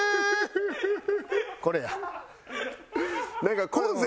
これや。